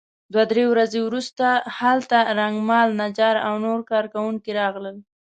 دوه درې ورځې وروسته هلته رنګمال نجار او نور کار کوونکي راغلل.